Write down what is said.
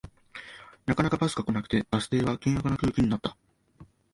なかなかバスが来なくてバス停は険悪な空気になった